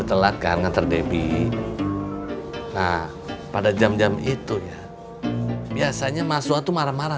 sekarang tinggal mikirin gimana ke depannya